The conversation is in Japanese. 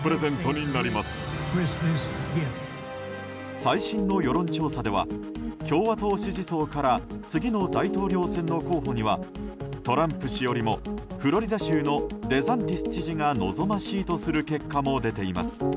最新の世論調査では共和党支持層から次の大統領選の候補にはトランプ氏よりもフロリダ州のデサンティス知事が望ましいとする結果も出ています。